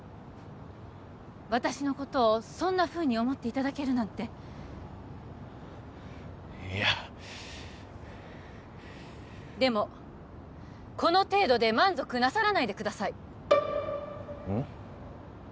私のことをそんなふうに思っていただけるなんていやでもこの程度で満足なさらないでくださいうん？